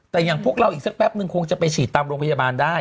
แต่อย่างพวกเราอีกสักแป๊บนึงคงจะไปฉีดตามโรงพยาบาลได้